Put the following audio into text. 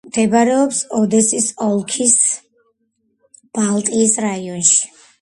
მდებარეობს ოდესის ოლქის ბალტის რაიონში.